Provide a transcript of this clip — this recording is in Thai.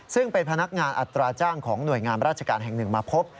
ซึ่งเป็นพนักงานอัตราจ้างของหน่วยงามราชการแห่งหนึ่งมาพบ